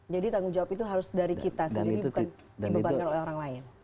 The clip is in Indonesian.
jadi tanggung jawab itu harus dari kita sendiri bukan dibebani oleh orang lain